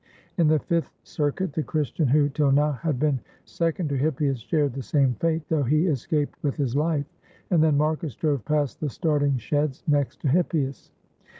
In the fifth circuit the Christian who, till now, had been sec ond to Hippias shared the same fate, though he escaped with his life; and then Marcus drove past the starting sheds next to Hippias.